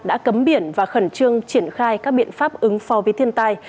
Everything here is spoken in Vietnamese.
đã cấm biển và khẩn trương triển khai các biện pháp ứng phó với thiên tai